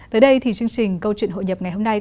tới đây thì chương trình câu chuyện hội nhập ngày hôm nay